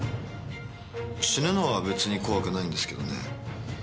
死ぬのは別に怖くないんですけどね